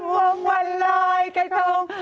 ลำวงวันลอยกะทง